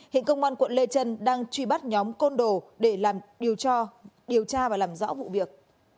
hiện công an quận lê trân đang truy bắt nhóm côn đồ để làm điều tra điều tra và làm rõ vụ việc